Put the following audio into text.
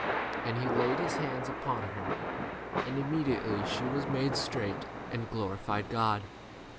And he laid his hands upon her, and immedi ately she was made straight, and 14 glorified God.